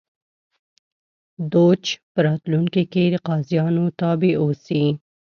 دوج په راتلونکي کې د قاضیانو تابع اوسي